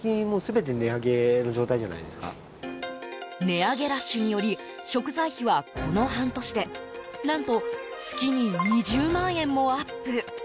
値上げラッシュにより食材費は、この半年で何と月に２０万円もアップ。